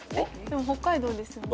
でも北海道ですよね。